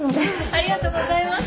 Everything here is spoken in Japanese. ありがとうございます。